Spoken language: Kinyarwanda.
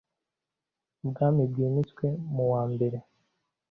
Ubwami bwimitswe mu wambere